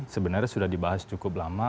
sebenarnya sudah dibahas cukup lama